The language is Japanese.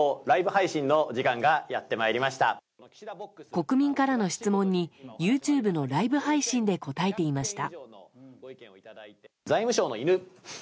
国民からの質問にＹｏｕＴｕｂｅのライブ配信で答えていました。